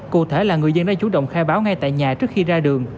cụ thể là người dân đã chủ động khai báo ngay tại nhà trước khi ra đường